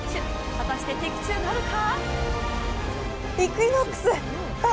果たして的中なるか？